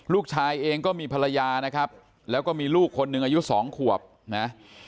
ลูกชายเองก็มีภรรยานะครับแล้วก็มีลูกคนหนึ่งอายุสองขวบนะ